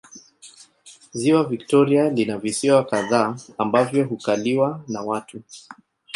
Ziwa Victoria lina visiwa kadhaa ambavyo hukaliwa na watu